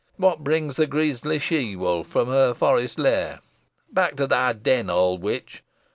What brings the grisly she wolf from her forest lair? Back to thy den, old witch!